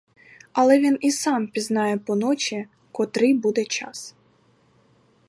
Але він і сам пізнає по ночі, котрий буде час.